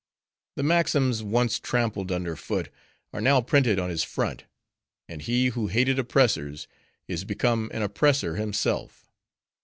The maxims once trampled under foot, are now printed on his front; and he who hated oppressors, is become an oppressor himself.